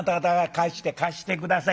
貸して貸して下さい。